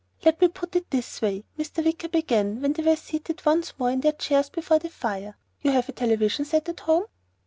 "Let me put it this way," Mr. Wicker began when they were seated once more in their chairs before the fire. "You have a television set at home?"